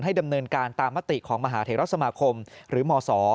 ดำเนินการตามมติของมหาเทราสมาคมหรือมศ